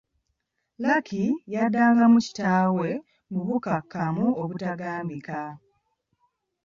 Lucky yaddangamu kitaawe mu bukkakkamu obutagambika.